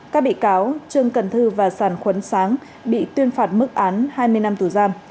các bị cáo trương cần thư và sàn khuấn sáng bị tuyên phạt mức án hai mươi năm tù giam